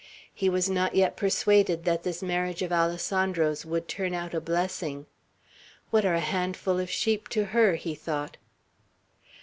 He was not yet persuaded that this marriage of Alessandro's would turn out a blessing. "What are a handful of sheep to her!" he thought.